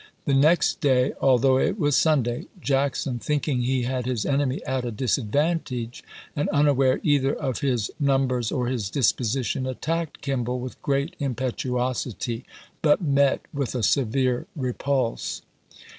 The next day, although it was Sunday, Jackson, thinking he had his enemy at a disadvantage, and unaware either of his num bers or his disposition, attacked Kimball with great impetuosity, but met with a severe repulse.